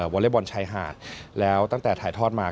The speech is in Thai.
อเล็กบอลชายหาดแล้วตั้งแต่ถ่ายทอดมา